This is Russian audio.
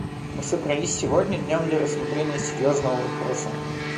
Мы собрались сегодня днем для рассмотрения серьезного вопроса.